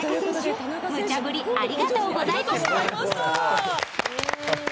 田中選手、むちゃ振りありがとうございました。